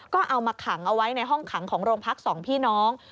ก็เอามาขังเอาไว้ในห้องขังของโรงพักสองพี่น้อง